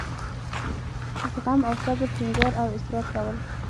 زغم او صبر ټینګار او اصرار کول.